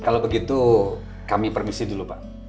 kalau begitu kami permisi dulu pak